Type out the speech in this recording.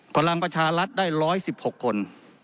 พลังประชารัฐได้๑๑๖คน